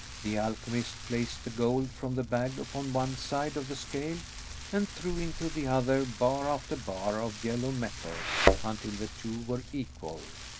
The alchemist placed the gold from the bag upon one side of the scale, and threw into the other, bar after bar of yellow metal until the two were equal.